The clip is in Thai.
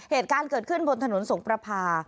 เหตุการณ์เกิดขึ้นบนถนนสงประพา